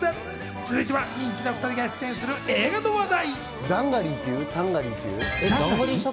続いては人気の２人が出演する映画の話題。